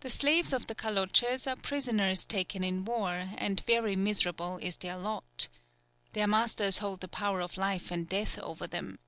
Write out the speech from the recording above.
The slaves of the Kaloches are prisoners taken in war, and very miserable is their lot. Their masters hold the power of life and death over them.